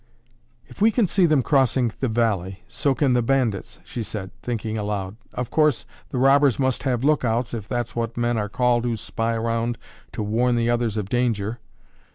"If we can see them crossing the valley, so can the bandits," she said, thinking aloud. "Of course, the robbers must have look outs if that's what men are called who spy around to warn the others of danger."